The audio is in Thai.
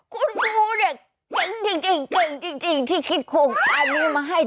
คุณฟูเก่งจริงที่คิดโครงการนี้มาให้